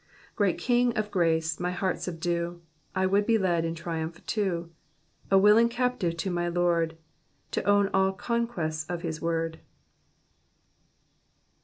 *' Great Klni; of srrnce my heart subdue, I would be led In trlunipli too ; A willinjj: captive l<> my Lord. To own the conquest* of his word."